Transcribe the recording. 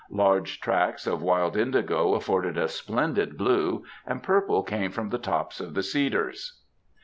Large tracts of wild indigo afforded a splendid blue, and purple came from the tops of the cedars.